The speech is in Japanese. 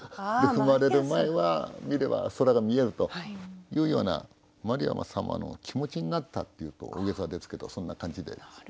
踏まれる前は見れば空が見えるというようなマリア様の気持ちになったって言うと大げさですけどそんな感じです。